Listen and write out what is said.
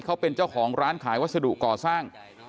เขาเป็นเจ้าของร้านขายวัสดุก่อสร้าง